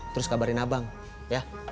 terus kabarin abang ya